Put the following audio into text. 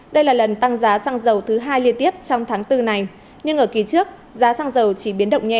đây là lần tăng giá xăng dầu thứ hai liên tiếp trong tháng bốn này nhưng ở kỳ trước giá xăng dầu chỉ biến động nhẹ ở mức gần một trăm linh đồng một lit